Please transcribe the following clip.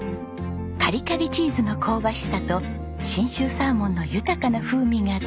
カリカリチーズの香ばしさと信州サーモンの豊かな風味が絶妙です。